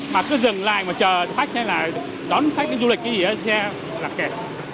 mà cứ dừng lại mà chờ thách hay là đón thách cái du lịch cái gì đó xe là kẹt